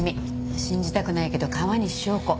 信じたくないけど川西祥子。